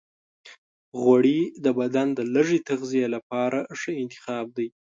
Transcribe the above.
غوړې د بدن د لږ تغذیې لپاره ښه انتخاب دی.